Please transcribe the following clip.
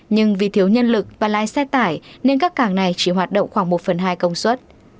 nhưng vì thiếu nhân lực và lái xe tải nên các cảng này chỉ hoạt động khoảng một phần hai công suất